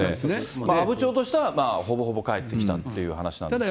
阿武町としたらほぼほぼ返ってきたという話なんですけど。